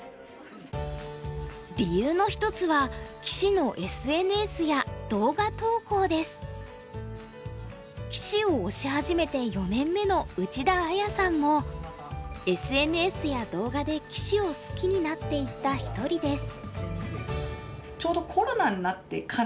理由の一つは棋士を推し始めて４年目の内田綾さんもＳＮＳや動画で棋士を好きになっていった一人です。